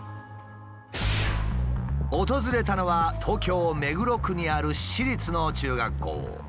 訪れたのは東京目黒区にある私立の中学校。